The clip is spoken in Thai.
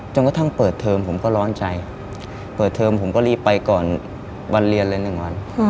กระทั่งเปิดเทอมผมก็ร้อนใจเปิดเทอมผมก็รีบไปก่อนวันเรียนเลย๑วัน